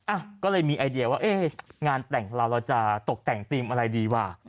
อ่ะก็เลยมีไอเดียว่าเอ๊ะงานแต่งของเราเราจะตกแต่งธีมอะไรดีว่ะ